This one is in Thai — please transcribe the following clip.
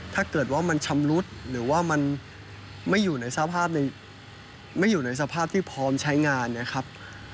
ถ้าเกิดว่ามันชำรุดหรือว่ามันไม่อยู่ในสภาพที่พร้อมใช้งานนะครับ